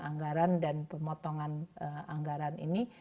anggaran dan pemotongan anggaran ini